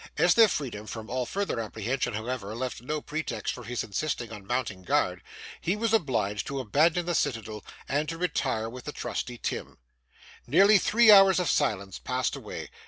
As their freedom from all further apprehension, however, left no pretext for his insisting on mounting guard, he was obliged to abandon the citadel, and to retire with the trusty Tim. Nearly three hours of silence passed away.